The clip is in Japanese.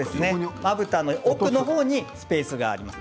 まぶたの奥にスペースがあります。